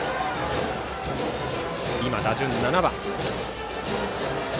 今、打順は７番。